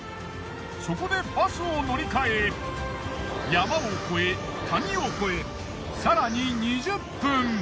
そこでバスを乗り換え山を越え谷を越え更に２０分。